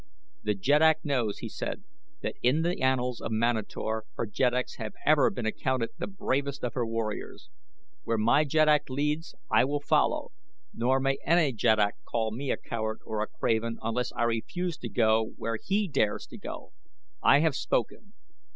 "The jeddak knows," he said, "that in the annals of Manator her jeddaks have ever been accounted the bravest of her warriors. Where my jeddak leads I will follow, nor may any jeddak call me a coward or a craven unless I refuse to go where he dares to go. I have spoken."